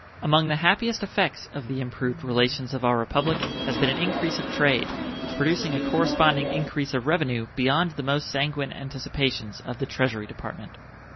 Among the happiest effects of the improved relations of our Republic has been an increase of trade, producing a corresponding increase of revenue beyond the most sanguine anticipations of the Treasury Department.